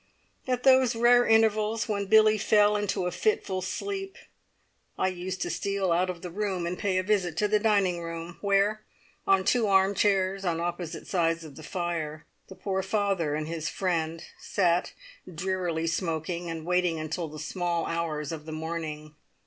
At those rare intervals when Billie fell into a fitful sleep, I used to steal out of the room and pay a visit to the dining room, where, on two arm chairs on opposite sides of the fire, the poor father and his friend sat drearily smoking, and waiting until the small hours of the morning.